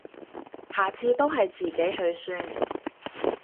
下次都係自己去算